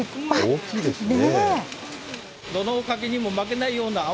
大きいですね。